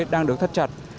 đang được thắt chặt